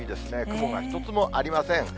雲が一つもありません。